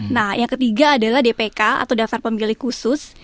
nah yang ketiga adalah dpk atau daftar pemilih khusus